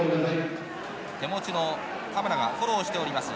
手持ちのカメラがフォローしております